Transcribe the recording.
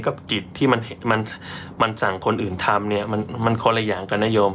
ก็จิตที่มันเห็นมันมันสั่งคนอื่นทำเนี่ยมันมันคนละอย่างกับนโนโยม